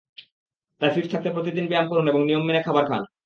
তাই ফিট থাকতে প্রতিদিন ব্যায়াম করুন এবং নিয়ম মেনে খাবার খান।